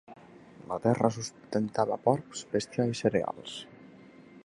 La terra sustentava porcs, bestiar i cereals.